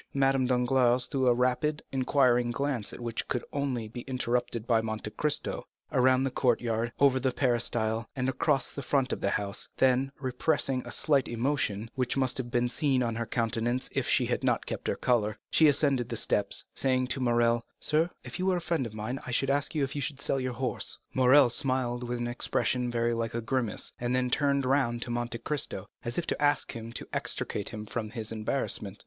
Madame Danglars threw a rapid and inquiring glance which could only be interpreted by Monte Cristo, around the courtyard, over the peristyle, and across the front of the house, then, repressing a slight emotion, which must have been seen on her countenance if she had not kept her color, she ascended the steps, saying to Morrel: "Sir, if you were a friend of mine, I should ask you if you would sell your horse." Morrel smiled with an expression very like a grimace, and then turned round to Monte Cristo, as if to ask him to extricate him from his embarrassment.